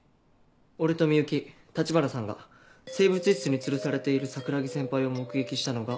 俺と美雪立花さんが生物室に吊るされている桜樹先輩を目撃したのが。